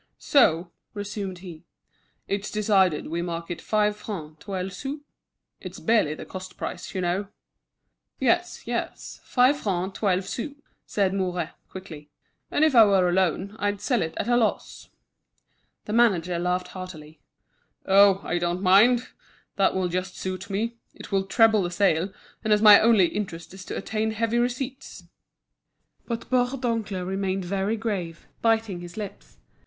"So," resumed he, "it's decided we mark it five francs twelve sous? It's barely the cost price, you know." "Yes, yes, five francs twelve sous," said Mouret, quickly: "and if I were alone, I'd sell it at a loss." The manager laughed heartily. "Oh! I don't mind, that will just suit me; it will treble the sale, and as my only interest is to attain heavy receipts." But Bourdoncle remained very grave, biting his lips.